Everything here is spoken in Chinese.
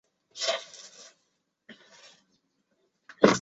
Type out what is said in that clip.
该物种的模式产地在琉球海沟西侧赤尾屿以西。